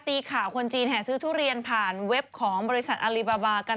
ตีข่าวคนจีนแห่ซื้อทุเรียนผ่านเว็บของบริษัทอลิบาบากัน